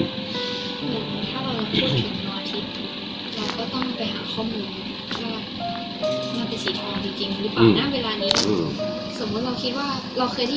ถ้าเราพูดถึงตัวอาทิตย์